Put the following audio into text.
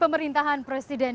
yang ketiga sebagai perusahaan